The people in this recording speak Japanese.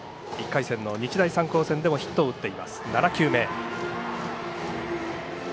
１回戦の日大三高戦でもヒットを打っています。